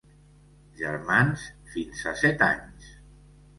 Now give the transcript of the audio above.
Germans, fins a set anys.